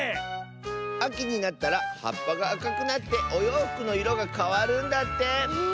あきになったらはっぱがあかくなっておようふくのいろがかわるんだって！